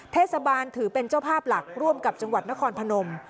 เทศบาลถือเป็นเจ้าภาพหลักร่วมกับจังหวัดนครพนม